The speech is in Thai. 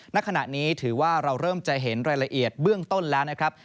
ณขณะนี้ถือว่าเราเริ่มจะเห็นรายละเอียดเบื้องต้นแล้วนะครับ